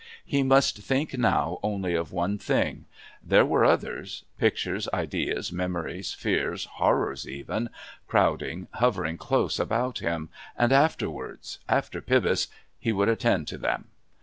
He must think now only of one thing; there were others pictures, ideas, memories, fears, horrors even crowding, hovering close about him, and afterwards after Pybus he would attend to them.